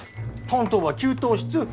担当は給湯室。